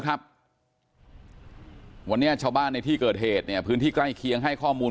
ครับวันนี้ชาวบ้านในที่เกิดเหตุเนี่ยพื้นที่ใกล้เคียงให้ข้อมูล